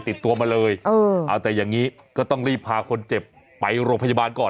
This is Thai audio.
ติดตัวมาเลยเออเอาแต่อย่างนี้ก็ต้องรีบพาคนเจ็บไปโรงพยาบาลก่อน